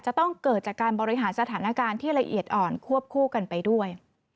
จะต้องเกิดจากการบริหารสถานการณ์ที่ละเอียดอ่อนควบคู่กันไปด้วย